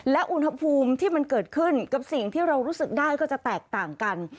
และอุณหภูมิที่มันเกิดขึ้นกับสิ่งที่เรารู้สึกได้ก็จะแตกต่างกัน